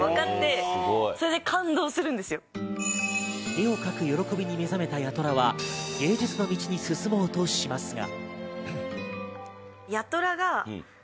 絵を描く喜びに目覚めた八虎は、芸術の道に進もうとしますが。